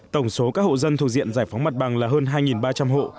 tổng số các hộ dân thuộc diện giải phóng mặt bằng là hơn hai ba trăm linh hộ